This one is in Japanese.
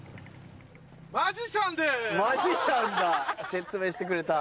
マジシャンだ説明してくれた。